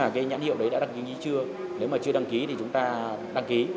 cái nhãn hiệu đấy đã đăng ký chưa nếu mà chưa đăng ký thì chúng ta đăng ký